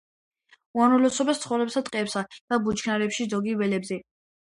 უმრავლესობა ცხოვრობს ტყეებსა და ბუჩქნარებში, ზოგი ველებზე.